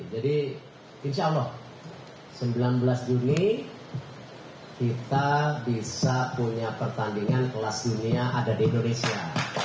jadi insya allah sembilan belas juni kita bisa punya pertandingan kelas dunia ada di indonesia